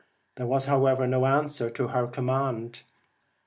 There was, however, no answer to her command.